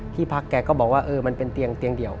ที่พักแกก็บอกว่าเออมันเป็นเตียงเดียว